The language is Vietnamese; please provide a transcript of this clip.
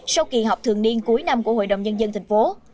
sau kỳ họp thường niên cuối năm của hội đồng nhân dân tp hcm